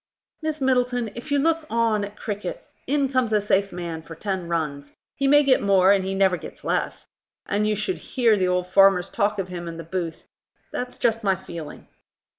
Miss Middleton, if you look on at cricket, in comes a safe man for ten runs. He may get more, and he never gets less; and you should hear the old farmers talk of him in the booth. That's just my feeling."